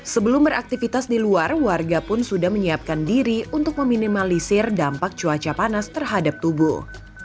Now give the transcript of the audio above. sebelum beraktivitas di luar warga pun sudah menyiapkan diri untuk meminimalisir dampak cuaca panas terhadap tubuh